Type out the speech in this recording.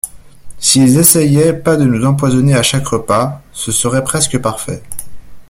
s’ils essayaient pas de nous empoisonner à chaque repas, ce serait presque parfait.